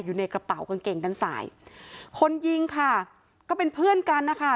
อยู่ในกระเป๋ากางเกงด้านซ้ายคนยิงค่ะก็เป็นเพื่อนกันนะคะ